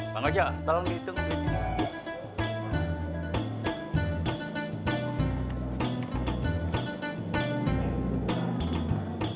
bangga aja tolong dihitungin